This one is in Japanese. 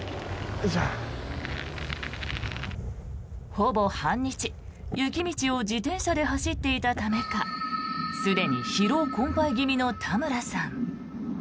ほぼ半日雪道を自転車で走っていたためかすでに疲労困ぱい気味の田村さん。